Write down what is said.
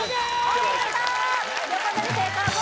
お見事！